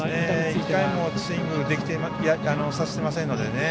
１回もスイングをさせていませんのでね